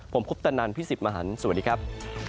ผมคุปตะนันพี่สิทธิ์มหันฯสวัสดีครับ